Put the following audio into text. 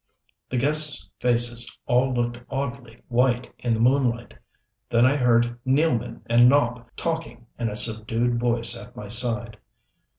The guest's faces all looked oddly white in the moonlight. Then I heard Nealman and Nopp talking in a subdued voice at my side.